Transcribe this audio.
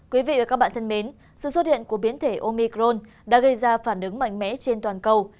quý vị và các bạn thân mến sự xuất hiện của biến thể omicron đã gây ra phản ứng mạnh mẽ trên toàn cầu